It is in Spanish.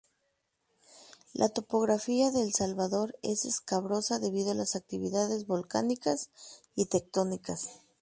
La topografía de El Salvador es escabrosa debido a las actividades volcánicas y tectónicas.